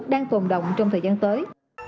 đang tồn động trong thời gian tới